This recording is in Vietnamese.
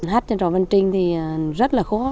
hát nhà trò văn trinh thì rất là khó